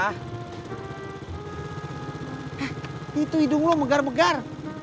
eh itu hidung lo megar megar